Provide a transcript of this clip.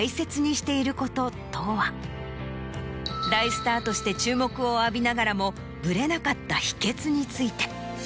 大スターとして注目を浴びながらもぶれなかった秘訣について。